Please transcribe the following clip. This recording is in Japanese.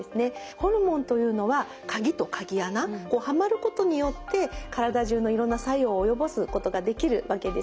ホルモンというのは鍵と鍵穴はまることによって体中のいろんな作用を及ぼすことができるわけです。